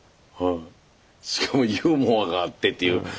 しかもユーモアがあってっていう。